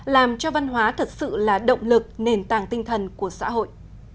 làm cho văn hóa thật sự là động lực nền tảng tinh thần của xã hội